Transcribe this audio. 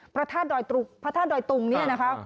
พระธาตุดอยตุงนี่นะคะ